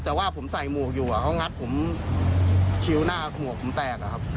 แต่ว่าผมใส่หมวกอยู่เขางัดผมคิ้วหน้าหมวกผมแตกอะครับ